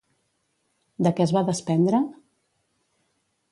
De què es va despendre?